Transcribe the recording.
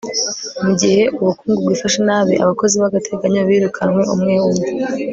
mugihe ubukungu bwifashe nabi, abakozi b'agateganyo birukanwe umwe umwe